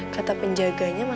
kata penjaganya mas bowo